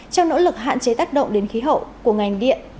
trong nỗ lực hạn chế tác động đến khí hậu của ngành điện